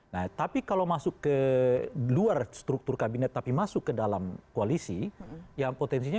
nah tapi kalau masuk ke luar struktur kabinet tapi masuk ke dalam koalisi ya potensinya